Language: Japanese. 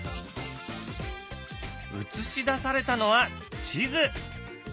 映し出されたのは地図。